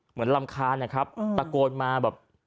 เหมือนรำคาญนะครับตะโกนมาแบบ